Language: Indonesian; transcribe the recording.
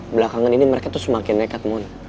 belakangan ini mereka tuh semakin nekat